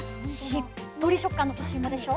しっとり食感の干しいもでしょ？